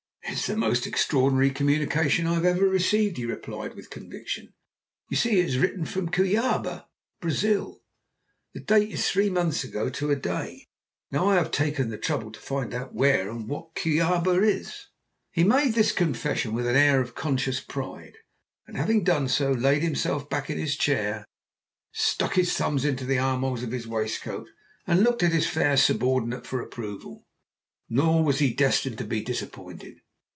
"It's the most extraordinary communication I have ever received," he replied with conviction. "You see it is written from Cuyaba, Brazil. The date is three months ago to a day. Now I have taken the trouble to find out where and what Cuyaba is." He made this confession with an air of conscious pride, and having done so, laid himself back in his chair, stuck his thumbs into the armholes of his waistcoat, and looked at his fair subordinate for approval. Nor was he destined to be disappointed.